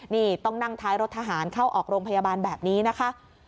นี่ต้องนั่งท้ายรถทหารเข้าออกโรงพยาบาลแบบนี้นะคะ